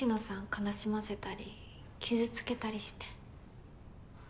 悲しませたり傷つけたりして。